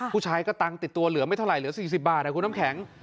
ผู้ชายก็ตังค์ติดตัวเหลือไม่เท่าไหรเหลือ๔๐บาทคุณน้ำแข็ง